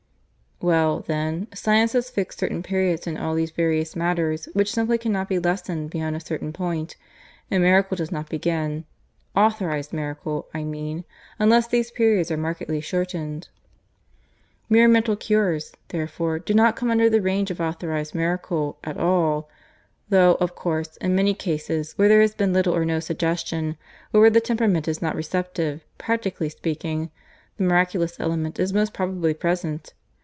"Well, then, science has fixed certain periods in all these various matters which simply cannot be lessened beyond a certain point. And miracle does not begin authorized miracle, I mean unless these periods are markedly shortened. Mere mental cures, therefore, do not come under the range of authorized miracle at all though, of course, in many cases where there has been little or no suggestion, or where the temperament is not receptive, practically speaking, the miraculous element is most probably present.